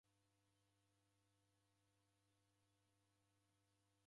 Wodelumwa ni koshi